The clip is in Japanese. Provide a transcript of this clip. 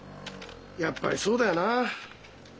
やっぱりそうだよな。